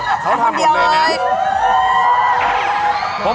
เขาทำคนเดียวเลย